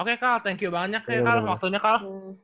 oke carl thank you banyak ya carl waktunya carl